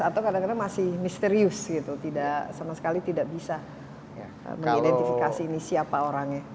atau kadang kadang masih misterius gitu tidak sama sekali tidak bisa mengidentifikasi ini siapa orangnya